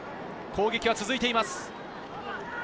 攻撃は続いています。